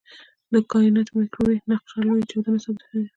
د کائناتي مایکروویو نقشه لوی چاودنه ثابتوي.